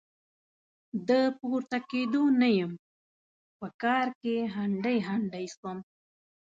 د پورته کېدو نه يم؛ په کار کې هنډي هنډي سوم.